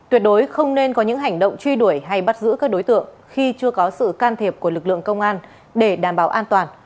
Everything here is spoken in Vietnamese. tuyệt đối không nên có những hành động truy đuổi hay bắt giữ các đối tượng khi chưa có sự can thiệp của lực lượng công an để đảm bảo an toàn